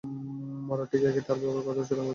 মরার ঠিক আগে সে তার বাবার কথা উচ্চারণ করেছিল।